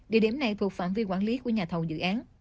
địa điểm này thuộc phạm vi quản lý của nhà thầu dự án